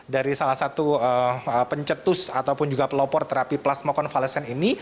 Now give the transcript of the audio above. dari salah satu pencetus ataupun juga pelopor terapi plasma konvalesen ini